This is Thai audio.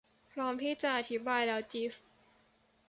พร้อมที่จะอธิบายแล้ว จีฟ